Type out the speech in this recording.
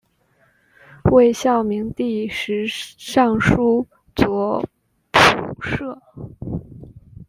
魏孝明帝时尚书左仆射。